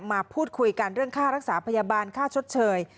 มาพูดคุยกันเรื่องค่ารักษาพยาบาลค่าชดเชย